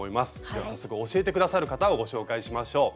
では早速教えて下さる方をご紹介しましょう。